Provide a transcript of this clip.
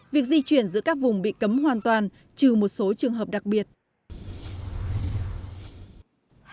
việc di chuyển giữa các vùng bị cấm hoàn toàn trừ một số trường hợp đặc biệt